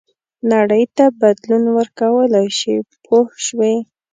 نړۍ ته بدلون ورکولای شي پوه شوې!.